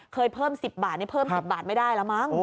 เคยเพิ่ม๑๐บาทนี่เพิ่ม๑๐บาทไม่ได้แล้วมั้ง